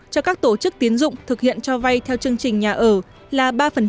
cho các tổ chức tiến dụng thực hiện cho vay theo chương trình nhà ở là ba